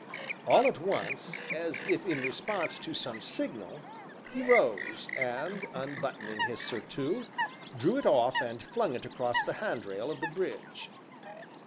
All at once, as if in response to some signal, he rose, and unbuttoning his surtout, drew it off and flung it across the handrail of the bridge.